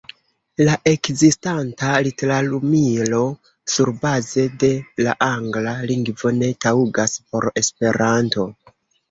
La ekzistanta literumilo surbaze de la angla lingvo ne taŭgas por Esperanto.